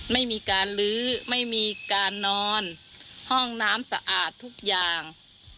ไม่มีการลื้อไม่มีการนอนห้องน้ำสะอาดทุกอย่าง